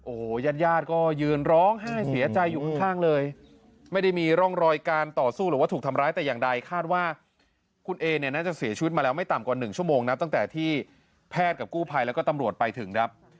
โอ้โหญาติญาติก็ยืนร้องไห้เสียใจอยู่ข้างเลยไม่ได้มีร่องรอยการต่อสู้หรือว่าถูกทำร้ายแต่อย่างใดคาดว่าคุณเอเนี่ยน่าจะเสียชีวิตมาแล้วไม่ต่ำกว่า๑ชั่วโมงนะตั้งแต่ที่แพทย์กับกู้ภัยแล้วก็ตำรวจไปถึงครับ